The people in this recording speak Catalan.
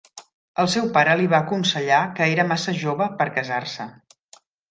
El seu pare li va aconsellar que era massa jove per casar-se.